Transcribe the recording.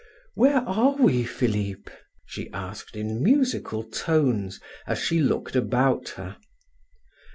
"Where are we, Philip?" she asked in musical tones, as she looked about her.